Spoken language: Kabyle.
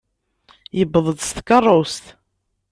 Yuweḍ-d s tkeṛṛust.